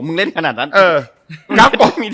โหมึงเล่นขนาดนั้น